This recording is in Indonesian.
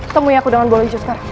temui aku dengan bolo ijo sekarang